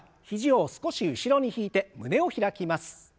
肘を少し後ろに引いて胸を開きます。